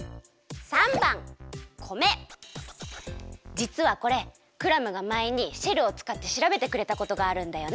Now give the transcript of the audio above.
じつはこれクラムがまえにシェルをつかってしらべてくれたことがあるんだよね。